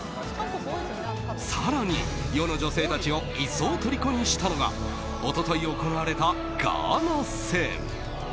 更に、世の女性たちを一層とりこにしたのが一昨日行われたガーナ戦。